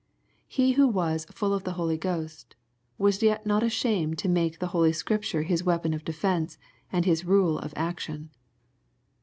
He who was " full of the Holy Ghost," * was yet not ashamed to make the Holy Scripture His weapon of defence, and His rule of action.